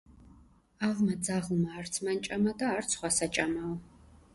ავმა ძაღლმა არც მან ჭამა და არც სხვას აჭამაო